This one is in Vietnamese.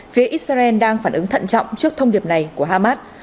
phía israel đang phản ứng thận trọng trước thông điệp này của hamas